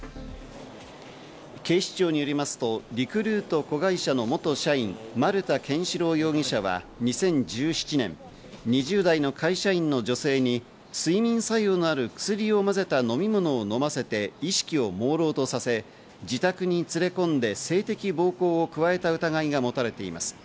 警視庁によりますとリクルート子会社の元社員・丸田憲司朗容疑者は２０１７年、２０代の会社員の女性に睡眠作用のある薬を混ぜた飲み物を飲ませて意識をもうろうとさせ、自宅に連れ込んで性的暴行を加えた疑いが持たれています。